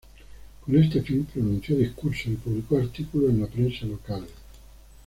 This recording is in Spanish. Con este fin, pronunció discursos y publicó artículos en la prensa local.